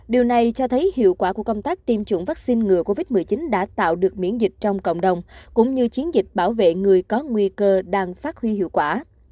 điều này cho thấy hiệu quả của công tác tiêm chủng vaccine ngừa covid một mươi chín đã tạo được miễn dịch trong cộng đồng cũng như chiến dịch bảo vệ người có nguy cơ đang phát huy hiệu quả